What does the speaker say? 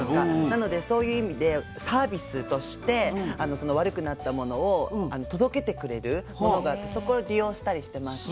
なのでそういう意味でサービスとしてその悪くなったものを届けてくれるものがあってそこを利用したりしてます。